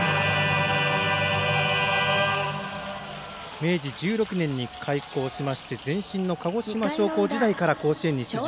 明治１６年に開校しまして前身の鹿児島商工時代から甲子園に出場。